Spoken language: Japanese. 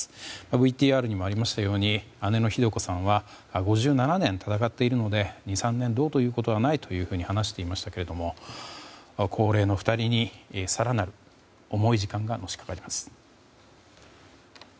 ＶＴＲにもありましたように姉のひで子さんは５７年闘っているので２３年はどうということはないということを話していましたが高齢の２人に更なる重い時間がのしかかります。